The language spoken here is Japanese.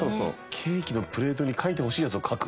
ケーキのプレートに書いてほしいやつを書く？